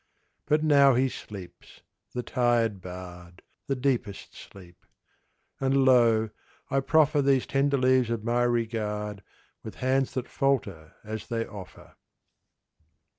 But now he sleeps, the tired bard, The deepest sleep; and, lo! I proffer These tender leaves of my regard, With hands that falter as they offer.